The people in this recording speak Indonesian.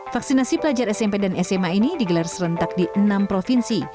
vaksinasi pelajar smp dan sma ini digelar serentak di enam provinsi